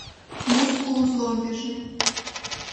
Мускул узлом вяжи.